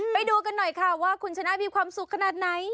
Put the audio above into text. ไปดูกันหน่อยค่ะว่าคุณชนะมีความสุขขนาดไหน